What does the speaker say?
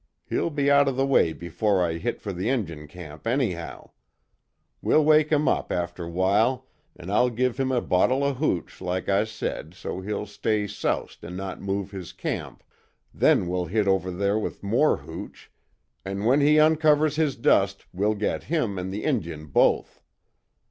He'll be out of the way before I hit fer the Injun camp, anyhow. We'll wake him up after while, an' I'll give him the bottle of hooch, like I said, so he'll stay soused an' not move his camp, then we'll hit over there with more hooch, an' when he uncovers his dust we'll git him an' the Injun both.